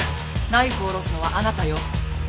ナイフを下ろすのはあなたよ。